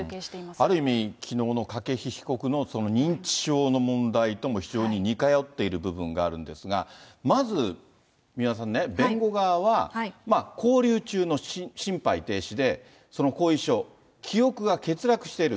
ある意味、きのうの筧被告の認知症の問題とも非常に似通っている部分があるんですが、まず三輪さんね、弁護側は、勾留中の心肺停止で、その後遺症、記憶が欠落している。